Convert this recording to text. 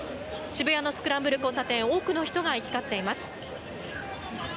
渋谷のスクランブル交差点多くの人が行き交っています。